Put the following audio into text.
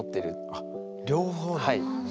あっ両方だ。